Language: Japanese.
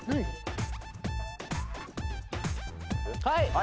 はい！